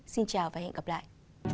xin chào và hẹn gặp lại